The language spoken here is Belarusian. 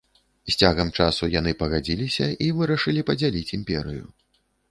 З цягам часу, яны пагадзіліся і вырашылі падзяліць імперыю.